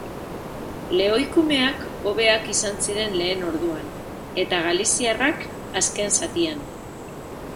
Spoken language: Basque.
Lehoikumeak hobeak izan ziren lehen orduan, eta galiziarrak, azken zatian.